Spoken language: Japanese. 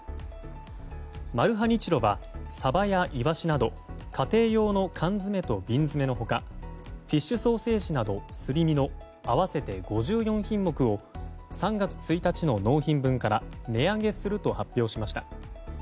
マルハニチロはサバやイワシなど家庭用の缶詰と瓶詰の他フィッシュソーセージなどすり身の合わせて５４品目を３月１日の納品分から値上げすると発表しました。